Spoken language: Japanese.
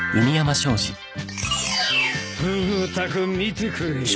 フグ田君見てくれ。